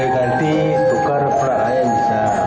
ganti tukar perak aja bisa